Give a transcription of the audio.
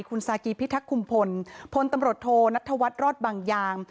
คุณซากีพิทักษุมพลพลตำรวจโทนัทธวัฒน์รอดบางยาง